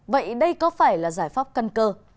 vậy đây có phải là giải pháp của hồ chí minh